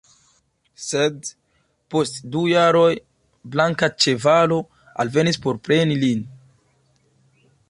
Sed, post du jaroj, blanka ĉevalo alvenis por preni lin.